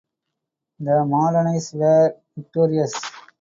The Modenese were victorious.